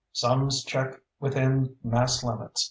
"Sums check within mass limits.